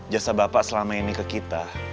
jasa bapak selama ini ke kita